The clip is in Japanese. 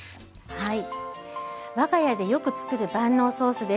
はい。